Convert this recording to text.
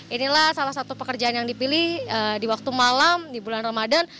inilah salah satu pekerjaan yang dipilih di waktu malam di bulan ramadan